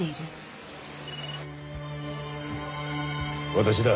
私だ。